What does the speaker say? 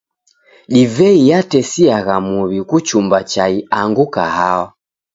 Divei yatesiagha muw'I kuchumba chai angu kahawa.